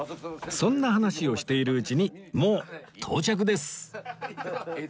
そんな話をしているうちにもう到着です